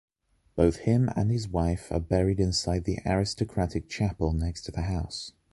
Both him and his wife are buried inside the aristocratic chapel next to the house.